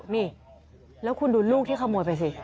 นี่แล้วคุณดูลูกที่ขโมยไปสิ